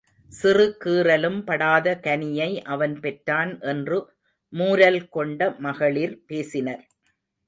சிறு கீறலும் படாத கனியை அவன் பெற்றான் என்று மூரல் கொண்ட மகளிர் பேசினர்.